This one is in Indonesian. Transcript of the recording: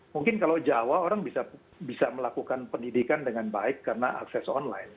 mungkin kalau jawa orang bisa melakukan pendidikan dengan baik karena akses online